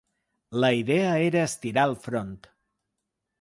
La idea era estirar el front.